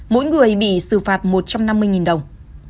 mỗi người bị xử phạt một trăm năm mươi đồng